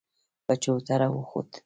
پر چوتره وخوت.